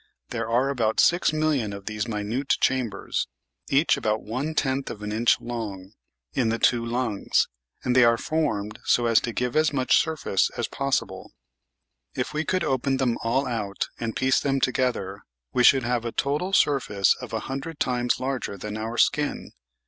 There are about six mil lions of these minute chambers (each about 1 10 of an inch long) in the two lungs, and they are formed so as to give as much surface as possible. If we could open them all out and piece them together, we should have a total surface a hundred times larger than our skin.